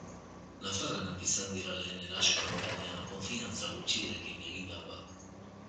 Nafarrenak izan dira lehen erasoak, baina konfiantza gutxirekin egindakoak.